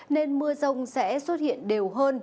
nên mưa rông sẽ xuất hiện đều hơn